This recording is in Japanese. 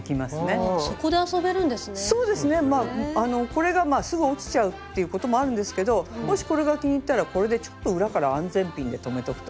これがすぐ落ちちゃうっていうこともあるんですけどもしこれが気に入ったらこれでちょっと裏から安全ピンで留めとくとかね。